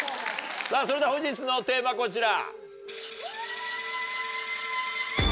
それでは本日のテーマこちら！